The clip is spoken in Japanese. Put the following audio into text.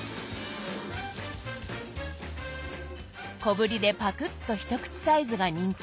小ぶりでパクッと一口サイズが人気。